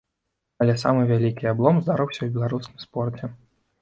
Але самы вялікі аблом здарыўся ў беларускім спорце.